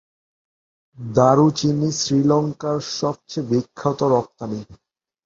দারুচিনি শ্রীলঙ্কার সবচেয়ে বিখ্যাত রপ্তানি।